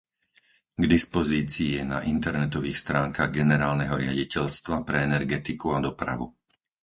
K dispozícii je na internetových stránkach Generálneho riaditeľstva pre energetiku a dopravu.